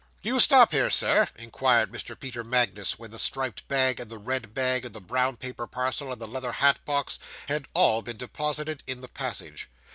'Do you stop here, sir?' inquired Mr. Peter Magnus, when the striped bag, and the red bag, and the brown paper parcel, and the leather hat box, had all been deposited in the passage.